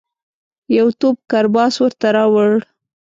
یو توپ کرباس ورته راووړ.